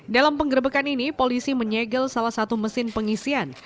dalam penggerbekan ini polisi menyegel salah satu mesin pengisian